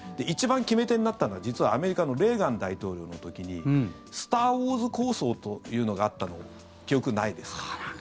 一番決め手になったのは、実はアメリカのレーガン大統領の時にスター・ウォーズ構想というのがあったの記憶にないですか？